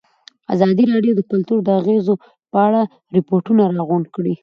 ازادي راډیو د کلتور د اغېزو په اړه ریپوټونه راغونډ کړي.